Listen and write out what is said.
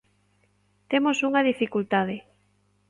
Temos unha dificultade.